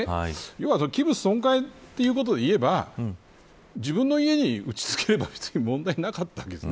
要は、器物損壊ということを言えば自分の家に打ち付ければ別に問題なかったわけです。